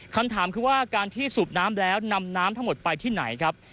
คำถามคือว่าการที่สูบน้ำแล้วนำน้ำทั้งหมดไปที่ไหนครับ